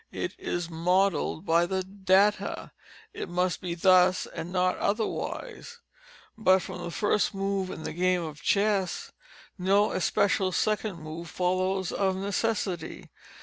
It is modelled by the _data. _It must be _thus _and not otherwise. But from the first move in the game of chess no especial second move follows of necessity.